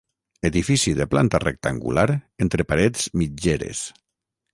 Edifici de planta rectangular entre parets mitgeres.